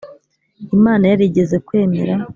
Imana yarigeze kwemera